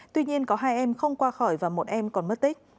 tuy nhiên có hai em không qua khỏi và một em còn mất tích